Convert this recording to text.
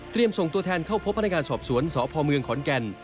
ส่งตัวแทนเข้าพบพนักงานสอบสวนสพเมืองขอนแก่น